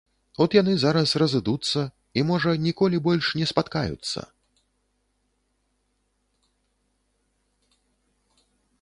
От яны зараз разыдуцца і, можа, ніколі больш не спаткаюцца.